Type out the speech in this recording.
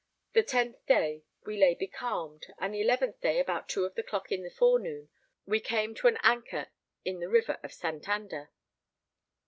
The 10th day we lay becalmed, and the 11th day about 2 of the clock in the forenoon we came to an anchor in the river of Santander.